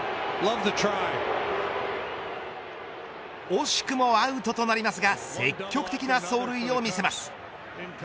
惜しくもアウトとなりますが積極的な走塁を見せます。